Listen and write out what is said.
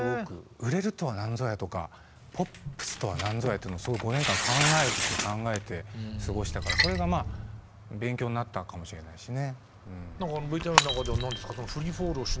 売れるとは何ぞやとかポップスとは何ぞやっていうのを５年間考えて考えて過ごしたからそれがまあ勉強になったかもしれないしね。